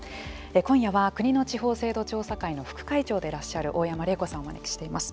今夜は国の地方制度調査会の副会長でいらっしゃる大山礼子さんをお招きしています。